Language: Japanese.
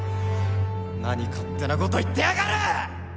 何勝手なこと言ってやがる！